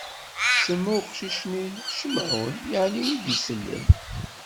Tsemma i uqcic-nni Cimɛun, yeɛni win i d-isellen.